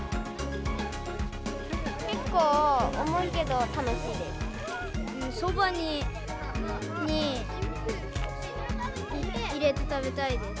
結構重いけど楽しいです。